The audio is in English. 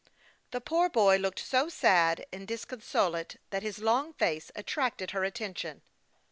The poor boy looked so sad and disaonsolate that his long face attracted her attention.